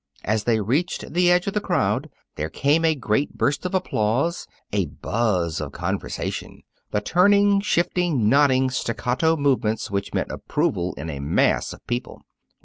As they reached the edge of the crowd, there came a great burst of applause, a buzz of conversation, the turning, shifting, nodding, staccato movements which mean approval in a mass of people.